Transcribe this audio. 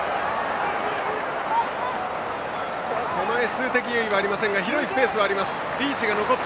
数的優位はありませんが広いスペースはあります。